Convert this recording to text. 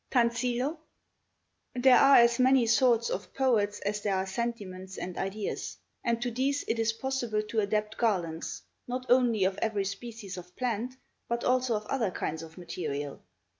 Tansillo There are as many sorts of poets as there are sentiments and ideas; and to these it is possible to adapt garlands, not only of every species of plant, but also of other kinds of material.